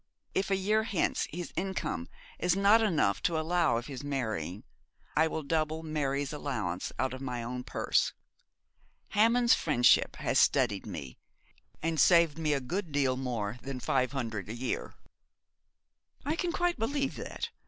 If a year hence his income is not enough to allow of his marrying, I will double Mary's allowance out of my own purse. Hammond's friendship has steadied me, and saved me a good deal more than five hundred a year.' 'I can quite believe that.